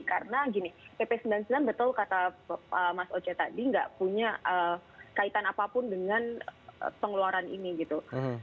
karena gini pp sembilan puluh sembilan betul kata mas oce tadi nggak punya kaitan apapun dengan pengeluaran ini gitu